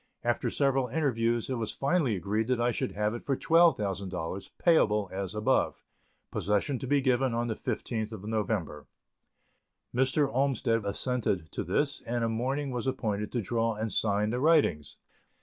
After several interviews, it was finally agreed that I should have it for $12,000, payable as above possession to be given on the 15th November. Mr. Olmsted assented to this, and a morning was appointed to draw and sign the writings.